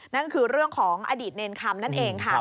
นั่นคือเรื่องของอดีตเนรคำนั่นเองค่ะ